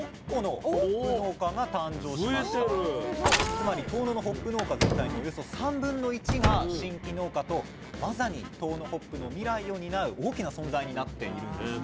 つまり遠野のホップ農家全体のおよそ３分の１が新規農家とまさに遠野ホップの未来を担う大きな存在になっているんですね。